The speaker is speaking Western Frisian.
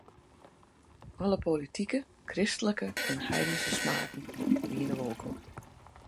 Alle politike, kristlike en heidense smaken wiene wolkom.